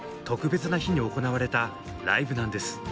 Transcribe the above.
特別な日に行われたライブなんです。